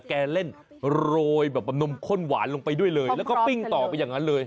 แกเล่นโรยแบบนมข้นหวานลงไปด้วยเลยแล้วก็ปิ้งต่อไปอย่างนั้นเลย